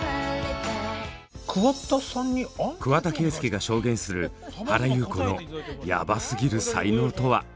桑田佳祐が証言する原由子のヤバすぎる才能とは？